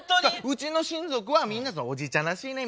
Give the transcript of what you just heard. うちの親族はみんな「おじいちゃんらしいね」